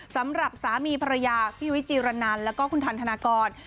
สำหรับสามีภรรยาพี่ยุ้ยจีรนันแล้วก็คุณทันธนากร